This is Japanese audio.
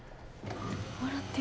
笑ってる。